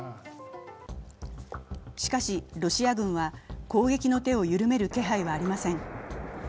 しかし、ロシア軍は攻撃の手を緩める気配はありません。